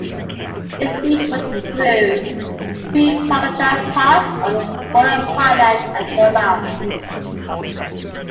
Its route was through Three Pagodas Pass on the border of Thailand and Burma.